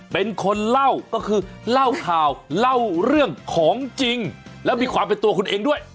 เป็นคนเล่าก็คือเล่าข่าวเล่าเรื่องของจริงแล้วมีความเป็นตัวคุณเองด้วย